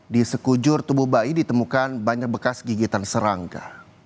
di sekujur tubuh bayi ditemukan banyak bekas gigitan serangga